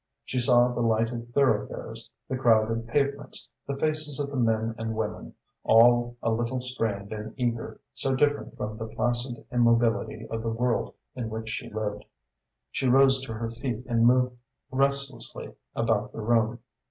She saw the lighted thoroughfares, the crowded pavements, the faces of the men and women, all a little strained and eager, so different from the placid immobility of the world in which she lived. She rose to her feet and moved restlessly about the room.